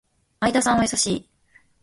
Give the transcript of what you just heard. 相田さんは優しい